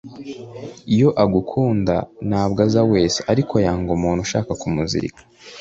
iyo agukunda nabwo aza wese ariko yanga umuntu ushaka kumuzirika